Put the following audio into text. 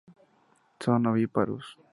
Son ovíparos.